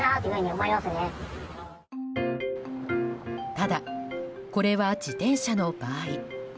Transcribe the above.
ただ、これは自転車の場合。